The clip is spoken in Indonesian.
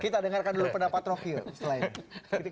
kita dengarkan dulu pendapat rocky selain itu